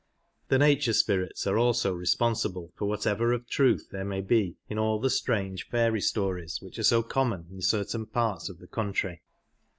The nature spirits are also responsible for whatever of truth there may be in all the strange fairy stories which are so common in certain parts of the country.